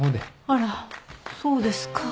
あらそうですか。